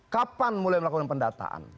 kapan mulai melakukan pendataan